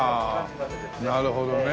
ああなるほどね。